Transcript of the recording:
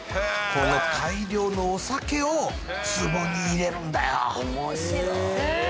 この大量のお酒を壺に入れるんだよ